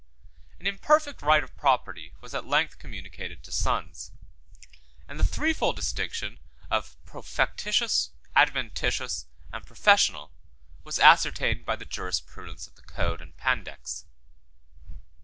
An imperfect right of property was at length communicated to sons; and the threefold distinction of profectitious, adventitious, and professional was ascertained by the jurisprudence of the Code and Pandects.